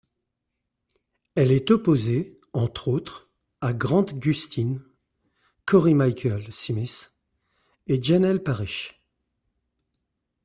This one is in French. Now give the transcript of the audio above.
Elle est opposée, entre autres, à Grant Gustin, Cory Michael Smith et Janel Parrish.